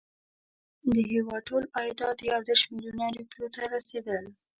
د هیواد ټول عایدات یو دېرش میلیونه روپیو ته رسېدل.